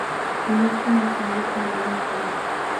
Mening tun misoli toleim kulgan.